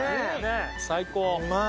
最高！